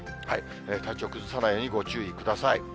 体調崩さないようにご注意ください。